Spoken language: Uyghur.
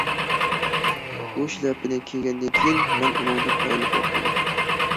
بۇ شىلەپىنى كىيگەندىن كېيىن، مەن ئۇنىڭدىن ئايرىلىپ باقمىدىم.